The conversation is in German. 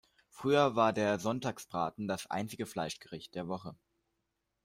Früher war der Sonntagsbraten das einzige Fleischgericht der Woche.